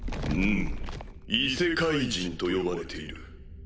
うむ異世界人と呼ばれている。